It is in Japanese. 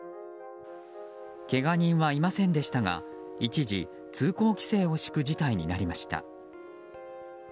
けが人はいませんでしたが一時、通行規制を敷く事態になりました。